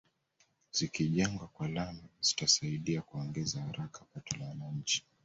Zikijengwa kwa lami zitasaidia kuongeza haraka pato la wananchi